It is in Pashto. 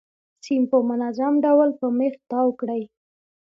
سیم په منظم ډول په میخ تاو کړئ.